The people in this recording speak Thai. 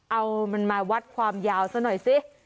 เอามันมาวัดความยาวซะหน่อยสิ